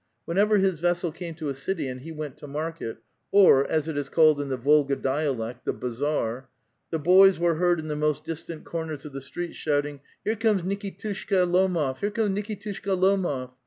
When ever his vessel came to a city and he went to market, or, as it is called in the Volga dialect, the bazaar, the boys' were heard in the most distant corners of the streets, shouting: "Here comes Nikitushka Lomof ! here comes Nikitushka Lomof